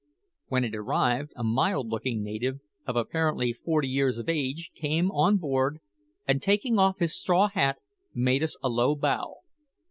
When it arrived, a mild looking native, of apparently forty years of age, came on board, and taking off his straw hat, made us a low bow.